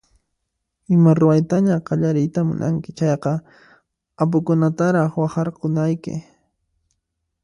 Ima ruwaytaña qallariyta munanki chayqa apukunataraq waqharkunayki.